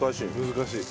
難しい。